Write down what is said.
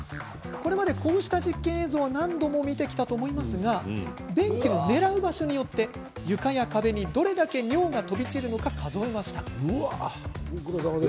これまで、こうした実験映像は何度も見てきたと思いますが便器の狙う場所によって床や壁にどれだけ尿が飛び散るのか数えました。